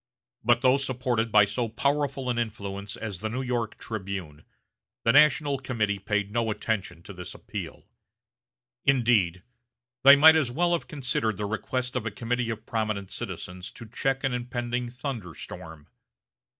But though supported by so powerful an influence as the New York "Tribune," the National Committee paid no attention to this appeal. Indeed, they might as well have considered the request of a committee of prominent citizens to check an impending thunderstorm. Mr.